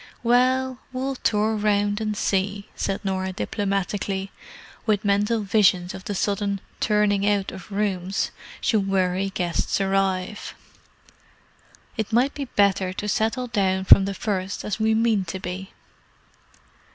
"Well, we'll tour round, and see," said Norah diplomatically, with mental visions of the sudden "turning out" of rooms should weary guests arrive. "It might be better to settle down from the first as we mean to be."